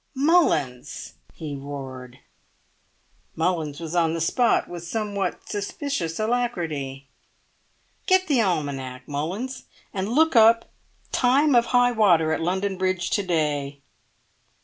"Mullins!" he roared. Mullins was on the spot with somewhat suspicious alacrity. "Get the almanac, Mullins, and look up Time of High Water at London Bridge to day!"